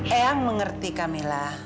eang mengerti kamilah